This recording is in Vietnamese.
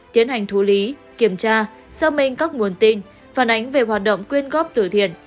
tiến hành thụ lý kiểm tra xác minh các nguồn tin phản ánh về hoạt động quyên góp tử thiện